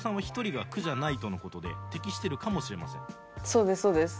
そうですそうです。